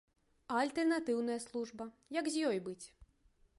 А альтэрнатыўная служба, як з ёй быць?